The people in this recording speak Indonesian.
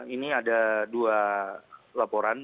ini ada dua laporan